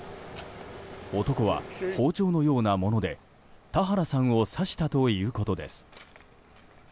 男は包丁のようなもので田原さんを刺したということです。